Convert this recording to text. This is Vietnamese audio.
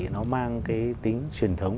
nó mang cái tính truyền thống